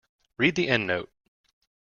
Read the endnote.